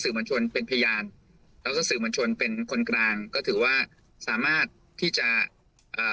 มันชนเป็นพยานแล้วก็สื่อมวลชนเป็นคนกลางก็ถือว่าสามารถที่จะเอ่อ